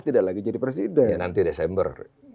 tidak lagi jadi presiden ya nanti desember